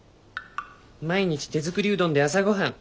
「毎日手づくりうどんで朝ごはん。